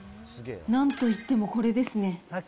なんといってもこれですね。